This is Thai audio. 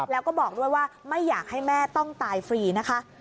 แล้วก็บอกด้วยว่าไม่อยากให้แม่ต้องตายฟรีนะคะ